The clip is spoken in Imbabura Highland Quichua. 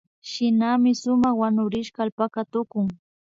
Shinami sumak wanurishka allpaka tukun